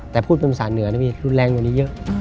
แต่พูดเป็นภาษาเหนือนะพี่รุนแรงกว่านี้เยอะ